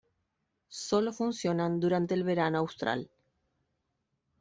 Solo funcionan durante el verano austral.